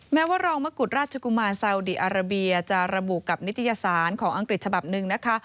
แม้ว่ารองมะกุฎราชกุมารซาวดีอาราเบียจะระบุกับนิตยสารของอังกฤษฉบับหนึ่งนะคะ